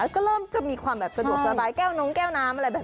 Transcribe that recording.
เรามันจะเริ่มสะดวกสบายน้ำไก้แก้วนมอะไรแบบนี้